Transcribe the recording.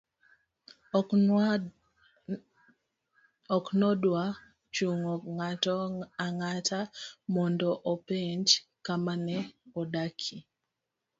ok nodwa chungo ng'ato ang'ata mondo openj kama ne odakie